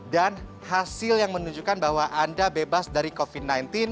hasil yang menunjukkan bahwa anda bebas dari covid sembilan belas